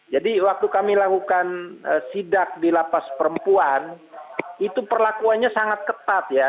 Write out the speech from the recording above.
jadi waktu kami lakukan sidak di lapas perempuan itu perlakuannya sangat ketat ya